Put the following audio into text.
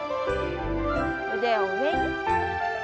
腕を上に。